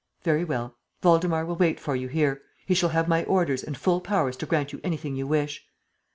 "Very well. Waldemar will wait for you here. He shall have my orders and full powers to grant you anything you wish."